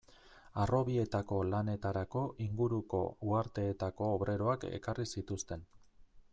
Harrobietako lanetarako inguruko uharteetako obreroak ekarri zituzten.